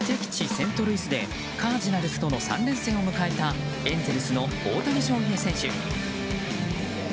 セントルイスでカージナルスとの３連戦を迎えたエンゼルスの大谷翔平選手。